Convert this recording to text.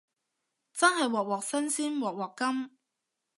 真係鑊鑊新鮮鑊鑊甘